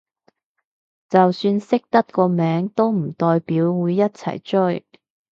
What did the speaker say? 就算識得個名都唔代表會一齊追